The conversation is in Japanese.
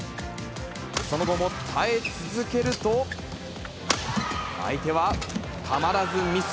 その後も耐え続けると、相手はたまらずミス。